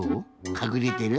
かくれてる？